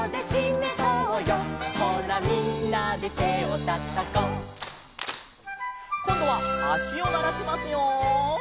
「ほらみんなで手をたたこう」「」こんどはあしをならしますよ。